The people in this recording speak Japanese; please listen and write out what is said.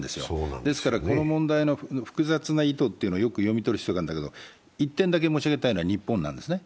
ですからこの問題の複雑な意図をよく読み取る必要があるんだけど、１点だけ申し上げたいのは日本なんですね。